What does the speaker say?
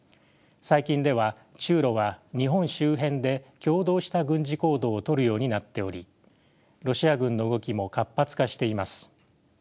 最近では中ロは日本周辺で共同した軍事行動をとるようになっておりロシア軍の動きも活発化しています。